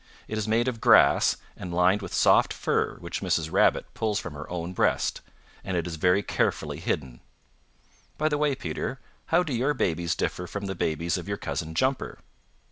It is made of grass and lined with soft fur which Mrs. Rabbit pulls from her own breast, and it is very carefully hidden. By the way, Peter how do your babies differ from the babies of your Cousin Jumper?"